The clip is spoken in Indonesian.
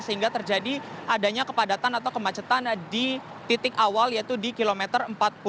sehingga terjadi adanya kepadatan atau kemacetan di titik awal yaitu di kilometer empat puluh